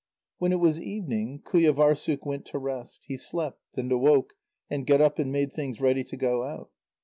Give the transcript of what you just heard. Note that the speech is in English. When it was evening, Qujâvârssuk went to rest. He slept, and awoke, and got up and made things ready to go out.